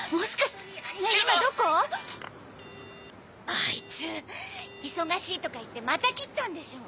あいつ忙しいとか言ってまた切ったんでしょ？